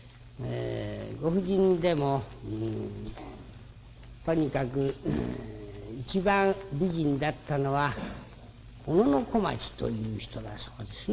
ご婦人でもとにかく一番美人だったのは小野小町という人だそうですな。